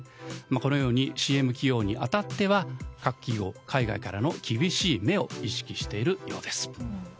このようにＣＭ起用に当たっては各企業、海外からの厳しい目を意識しているようです。